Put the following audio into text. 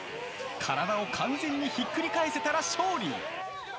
体を完全にひっくり返せたら勝利。